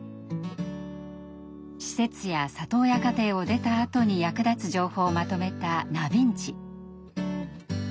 施設や里親家庭を出たあとに役立つ情報をまとめたなびんち。